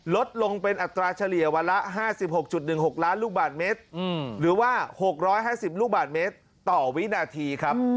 ลดลงเป็นอัตราเฉลี่ยวันละ๕๖๑๖ล้านลูกบาทเมตรหรือว่า๖๕๐ลูกบาทเมตรต่อวินาทีครับ